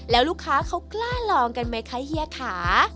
แล้วลูกค้าเขากล้าลองกันไหมคะเฮียขา